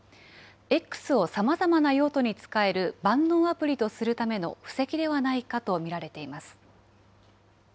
Ｘをさまざまな用途に使える万能アプリとするための布石ではないかと見られています。